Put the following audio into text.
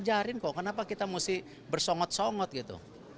masih ajarin kok kenapa kita mesti bersongot songot gitu